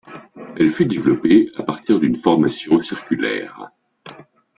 Elle fut développée à partir d'une formation circulaire.